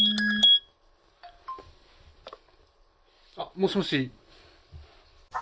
もしもし。